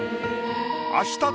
あしたで。